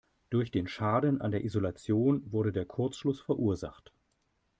Durch den Schaden an der Isolation wurde der Kurzschluss verursacht.